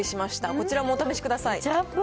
こちらもお試しください。